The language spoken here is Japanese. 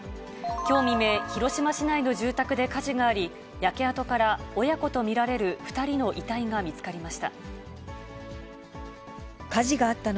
きょう未明、広島市内の住宅で火事があり、焼け跡から親子と見られる２人の遺体が見つかりました。